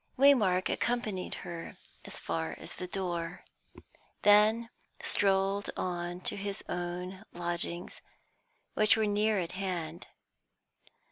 Waymark accompanied her as far as the door, then strolled on to his own lodgings, which were near at hand.